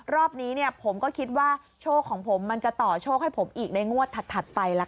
รอบนี้ผมก็คิดว่าโชคของผมมันจะต่อโชคให้ผมอีกในงวดถัดไปล่ะค่ะ